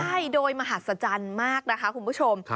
ใช่โดยมหัศจรรย์มากนะคะคุณผู้ชม